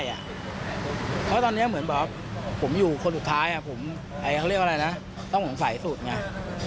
เพราะว่าตอนนี้เหมือนบอกว่าผมอยู่คนสุดท้ายต้องหงษัยสุดไง